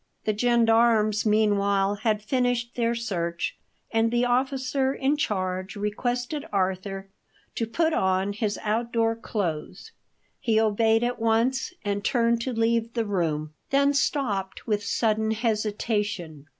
The gendarmes, meanwhile, had finished their search, and the officer in charge requested Arthur to put on his outdoor clothes. He obeyed at once and turned to leave the room; then stopped with sudden hesitation.